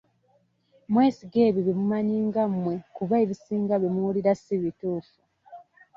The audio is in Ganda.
Mwesige ebyo bye mumanyi nga mmwe kuba ebisinga bye muwulira si bituufu.